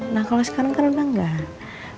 nah kalau sekarang kan udah gak